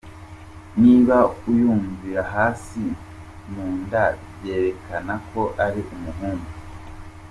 Niba uyumvira hasi mu nda, byerekana ko ari umuhungu.